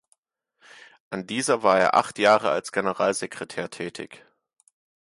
An dieser war er acht Jahre als Generalsekretär tätig.